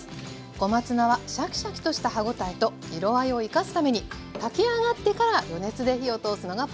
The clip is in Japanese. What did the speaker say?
小松菜はシャキシャキとした歯応えと色合いを生かすために炊き上がってから余熱で火を通すのがポイントです。